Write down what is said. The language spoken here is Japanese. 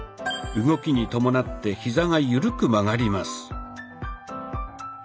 動きに伴ってヒザが緩く曲がります。